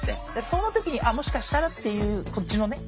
その時にあっもしかしたらっていうこっちのね